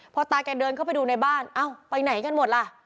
พอตาแกเดินเข้าไปดูในบ้านเอ้าไปไหนกันหมดล่ะ